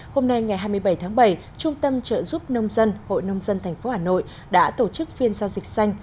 hôm nay ngày hai mươi bảy tháng bảy trung tâm trợ giúp nông dân hội nông dân tp hà nội đã tổ chức phiên giao dịch xanh